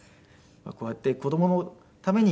こうやって子供のために。